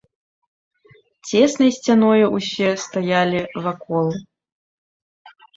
Цеснай сцяною ўсе стаялі вакол.